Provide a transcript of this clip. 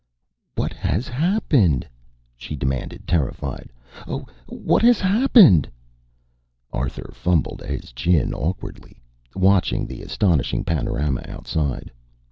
"What has happened?" she demanded, terrified. "Oh, what has happened?" Arthur fumbled at his chin awkwardly, watching the astonishing panorama outside.